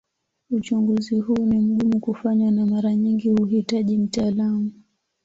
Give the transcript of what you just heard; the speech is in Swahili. Uchunguzi huu ni mgumu kufanywa na mara nyingi huhitaji mtaalamu.